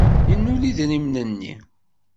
Yennul idrimen-nni.